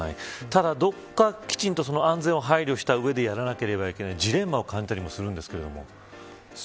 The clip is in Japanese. ただ、どこかきちんと安全に配慮した上でやらなければいけないというジレンマを感じたりするんですけれど。